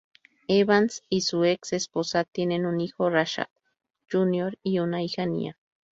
Evans y su ex esposa tienen un hijo Rashad Jr, y una hija Nia.